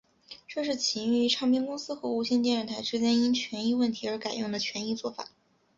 这是起因于唱片公司和无线电视台之间因权益问题而改用的权宜作法。